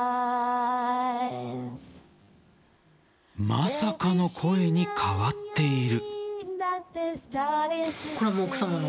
まさかの声に変わっている。